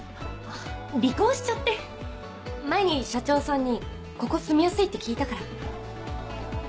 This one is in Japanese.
離婚しちゃって前に社長さんにここ住みやすいって聞いたから。